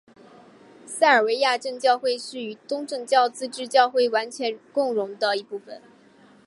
塞尔维亚正教会是与东正教自治教会完全共融的一部分。